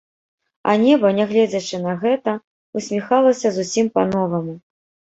А неба, нягледзячы на гэта, усміхалася зусім па-новаму.